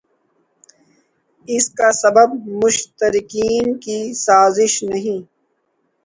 اس کا سبب مشترقین کی سازش نہیں